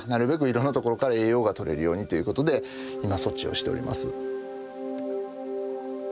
いろんなところから栄養がとれるようにということで今措置をしております。